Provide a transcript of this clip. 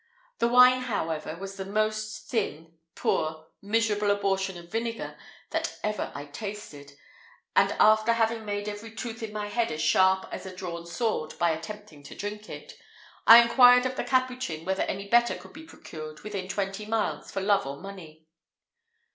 The wine, however, was the most thin, poor, miserable abortion of vinegar that ever I tasted; and, after having made every tooth in my head as sharp as a drawn sword by attempting to drink it, I inquired of the Capuchin whether any better could be procured within twenty miles for love or money.